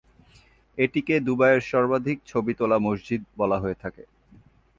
এটিকে দুবাইয়ের সর্বাধিক ছবি তোলা মসজিদ বলা হয়ে থাকে।